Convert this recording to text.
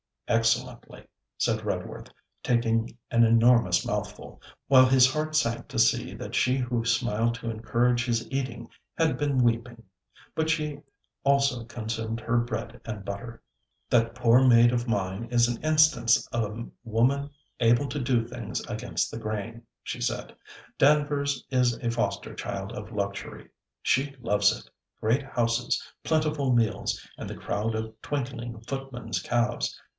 'Excellently,' said Redworth, taking an enormous mouthful, while his heart sank to see that she who smiled to encourage his eating had been weeping. But she also consumed her bread and butter. 'That poor maid of mine is an instance of a woman able to do things against the grain,' she said. 'Danvers is a foster child of luxury. She loves it; great houses, plentiful meals, and the crowd of twinkling footmen's calves.